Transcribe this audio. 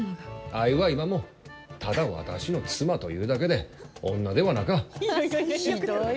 あれは今もただ私の妻というだけで女ではなか。